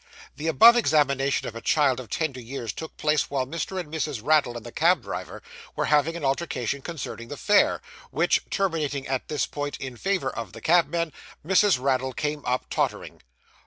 The above examination of a child of tender years took place while Mr. and Mrs. Raddle and the cab driver were having an altercation concerning the fare, which, terminating at this point in favour of the cabman, Mrs. Raddle came up tottering.